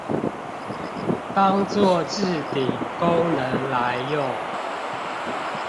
當作置頂功能來用